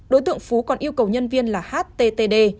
đối tượng phú còn yêu cầu nhân viên là httd